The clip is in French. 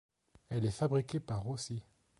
Elle est fabriquée par Rossi.